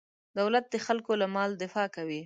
دولت د خلکو له مال دفاع کوي.